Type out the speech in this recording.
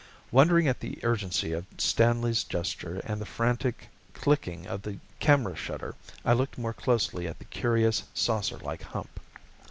Wondering at the urgency of Stanley's gesture and the frantic clicking of the camera shutter, I looked more closely at the curious, saucerlike hump.